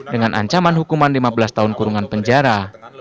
dengan ancaman hukuman lima belas tahun kurungan penjara